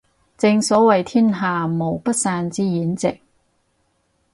正所謂天下無不散之筵席